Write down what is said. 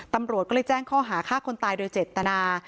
ตำรวจก็เลยแจ้งข้อหาฆ่าคนตายโดยเจตนา